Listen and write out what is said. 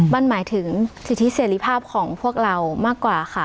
มันหมายถึงสิทธิเสรีภาพของพวกเรามากกว่าค่ะ